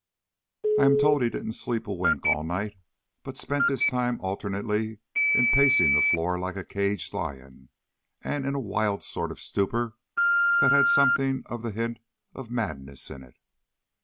"I am told he didn't sleep a wink all night, but spent his time alternately in pacing the floor like a caged lion, and in a wild sort of stupor that had something of the hint of madness in it.